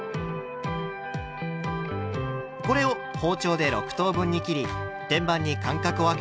これを包丁で６等分に切り天板に間隔をあけて並べます。